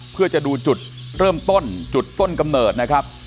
เพื่อจะดูจุดเริ่มต้นจุดต้นกำเนิดนะครับ